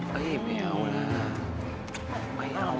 เฮ้ยไม่เอาล่ะ